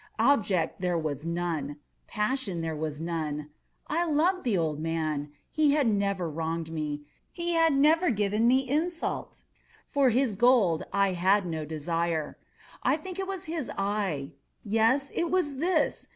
Object there was none. Passion there was none. I loved the old man. He had never wronged me. He had never given me insult. For his gold I had no desire. I think it was his eye! yes, it was this!